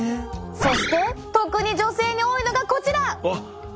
そして特に女性に多いのがこちら！